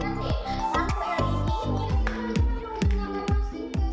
oke aku yang ini